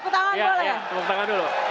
tepuk tangan dulu